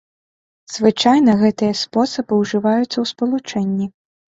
Звычайна гэтыя спосабы ўжываюцца ў спалучэнні.